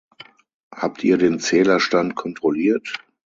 Habt ihr den Zählerstand kontrolliert?